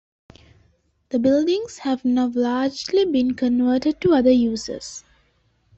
The buildings have now largely been converted to other uses.